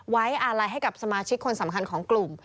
ไว้อาลัยให้กับสมาชิกคนสำคัญของกลุ่ม